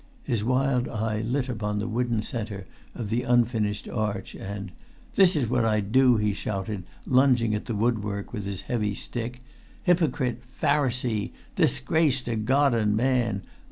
His wild eye lit upon the wooden centre of the unfinished arch, and "This is what I'd do," he shouted, lunging at the woodwork with his heavy stick. "Hypocrite! Pharisee! Disgrace to God and man!